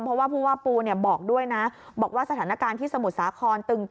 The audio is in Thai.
เพราะว่าผู้ว่าปูบอกด้วยนะบอกว่าสถานการณ์ที่สมุทรสาครตึง